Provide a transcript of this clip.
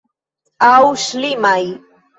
Aŭ ŝlimaj.